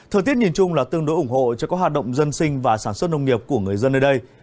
thời tiết nhìn chung là tương đối ủng hộ cho các hoạt động dân sinh và sản xuất nông nghiệp của người dân nơi đây